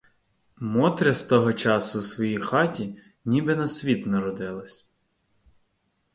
Мотря з того часу у своїй хаті ніби на світ народилась.